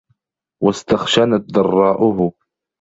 وَاسْتَخْشَنَتْ ضَرَّاؤُهُ